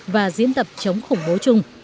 và diễn tập chống khủng bố trung